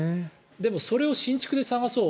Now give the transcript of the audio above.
でもそれを新築で探そう